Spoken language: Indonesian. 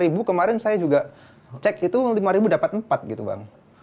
lima ribu kemarin saya juga cek itu lima ribu dapat empat gitu bang